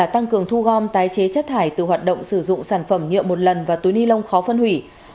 tăng cường thu gom tái chế chất thải từ hoạt động sử dụng sản phẩm nhựa một lần và túi ni lông khó phân hủy